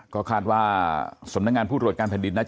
ก็คาดว่าสำนักงานผู้ตรวจการแผ่นดิน